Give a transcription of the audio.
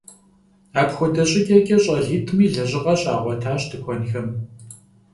Апхуэдэ щӏыкӏэкӏэ щӏалитӏми лэжьыгъэ щагъуэтащ тыкуэнхэм.